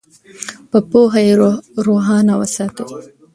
په پوهه یې روښانه وساتئ.